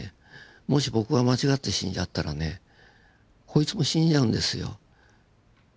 もし僕が間違って死んじゃったらねこいつも死んじゃうんですよ。